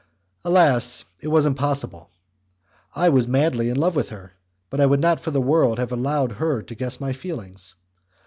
Alas! it was impossible! I was madly in love with her, but I would not for the world have allowed her to guess my feelings.